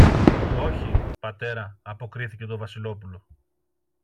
Όχι, πατέρα, αποκρίθηκε το Βασιλόπουλο.